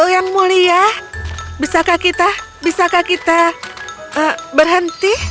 yang mulia bisakah kita bisakah kita berhenti